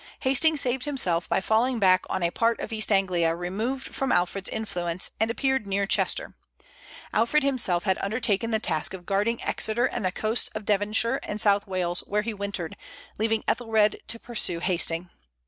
Hasting saved himself by falling back on a part of East Anglia removed from Alfred's influence, and appeared near Chester. Alfred himself had undertaken the task of guarding Exeter and the coasts of Devonshire and South Wales, where he wintered, leaving Ethelred to pursue Hasting.